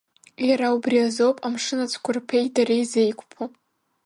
Иара убри азоуп амшын ацәқәырԥеи дареи зеиқәԥо.